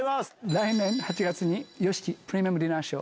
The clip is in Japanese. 来年の８月に、ＹＯＳＨＩＫＩプレミアムディナーショー